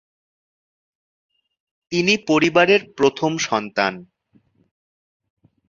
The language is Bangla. তিনি পরিবারের প্রথম সন্তান।